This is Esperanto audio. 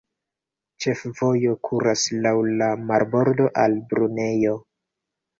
Ĉefvojo kuras laŭ la marbordo al Brunejo.